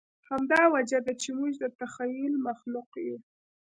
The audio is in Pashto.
همدا وجه ده، چې موږ د تخیل مخلوق یو.